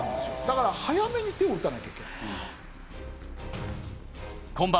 だから早めに手を打たなきゃいけない。